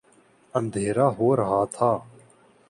اندھیرا ہو رہا تھا۔